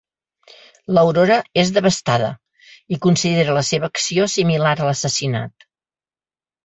L'Aurora és devastada; i considera la seva acció similar a l'assassinat.